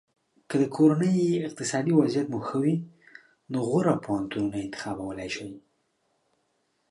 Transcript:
که د کورنۍ اقتصادي وضعیت مو ښه وي نو غوره پوهنتونونه انتخابولی شی.